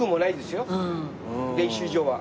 練習場は。